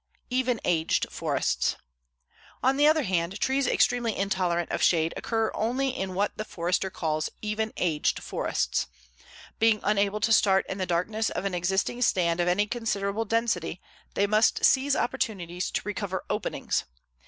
EVEN AGED FORESTS On the other hand, trees extremely intolerant of shade occur only in what the forester calls even aged forests. Being unable to start in the darkness of an existing stand of any considerable density, they must seize opportunities to recover openings.